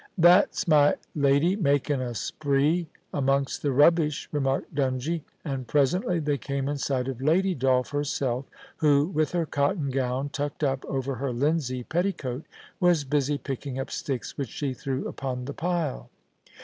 * That's my lady makin' a spree amongst the rubbish,' remarked Dungie ; and presently they came in sight of Lady Dolph herself, who, with her cotton gown tucked up over her linsey petticoat, was busy picking up sticks which she threw upon the pile.